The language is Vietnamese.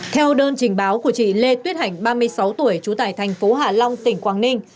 theo đơn trình báo của chị lê tuyết hành ba mươi sáu tuổi trú tại thành phố hạ long tỉnh quảng ninh